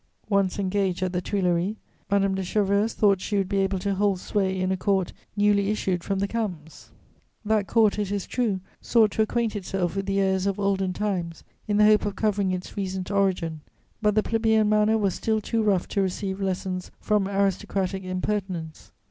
Once engaged at the Tuileries, Madame de Chevreuse thought she would be able to hold sway in a Court newly issued from the camps: that Court, it is true, sought to acquaint itself with the airs of olden times, in the hope of covering its recent origin; but the plebeian manner was still too rough to receive lessons from aristocratic impertinence.